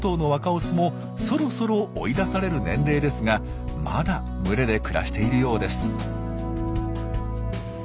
オスもそろそろ追い出される年齢ですがまだ群れで暮らしているようです。